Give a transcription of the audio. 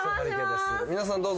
皆さんどうぞ。